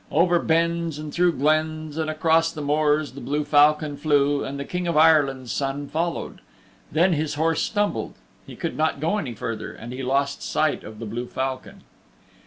Over benns and through glens and across moors the blue falcon flew and the King of Ireland's Son followed. Then his horse stumbled; he could not go any further, and he lost sight of the blue falcon.